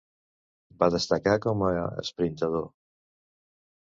Va destacar com a esprintador.